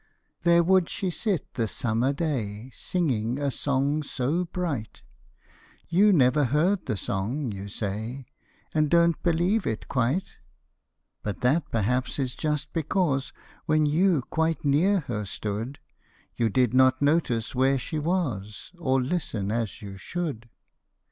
There would she sit the summer day, singing a song so bright; You never heard the song, you say, and don't believe it quite? But that perhaps is just because when you quite near her stood, You did not notice where she was, or listen as you should.